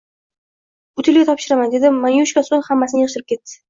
Utilga topshiraman, – dedi Manyushka, soʻng hammasini yigʻishtirib, ketdi.